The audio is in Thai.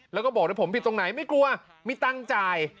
แล้วก็บอกด้วยผมผิดตรงไหนไม่กลัวมีตังค์จ่าย